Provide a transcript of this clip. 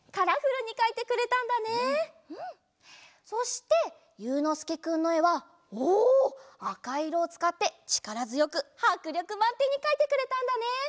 そしてゆうのすけくんのえはおあかいろをつかってちからづよくはくりょくまんてんにかいてくれたんだね！